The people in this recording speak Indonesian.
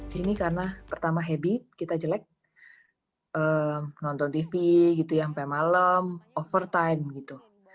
di sini karena pertama habit kita jelek nonton tv gitu ya sampai malam over time gitu